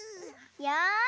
よし！